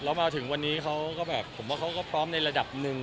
แล้วมาถึงวันนี้เขาก็แบบผมว่าเขาก็พร้อมในระดับหนึ่ง